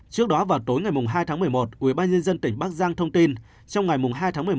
trước đó vào tối ngày hai tháng một mươi một ubnd tỉnh bắc giang thông tin trong ngày hai tháng một mươi một